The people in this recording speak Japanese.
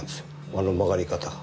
あの曲がり方が。